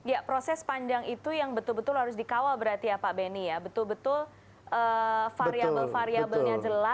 ya proses panjang itu yang betul betul harus dikawal berarti ya pak beni ya betul betul variable variabelnya jelas